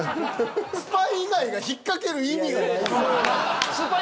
スパイ以外が引っ掛ける意味がないやん。